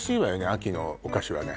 秋のお菓子はね